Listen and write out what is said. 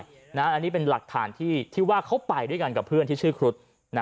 อันนี้เป็นหลักฐานที่ว่าเขาไปด้วยกันกับเพื่อนที่ชื่อครุฑ